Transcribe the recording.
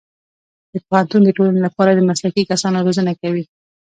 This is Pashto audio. پوهنتون د ټولنې لپاره د مسلکي کسانو روزنه کوي.